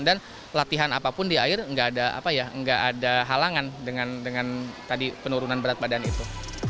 dan latihan apapun di air nggak ada halangan dengan tadi penurunan berat badan itu